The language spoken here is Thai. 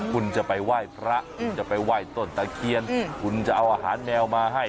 คุณจะไปไหว้พระคุณจะไปไหว้ต้นตะเคียนคุณจะเอาอาหารแมวมาให้